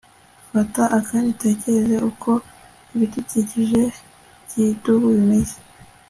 fata akanya utekereze uko ibidukikije byidubu bimeze